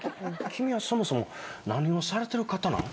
君はそもそも何をされてる方なの？